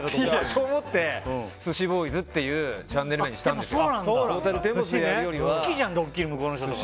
そう思って「ＳＵＳＨＩ★ＢＯＹＳ」っていうチャンネル名にしたんですよ。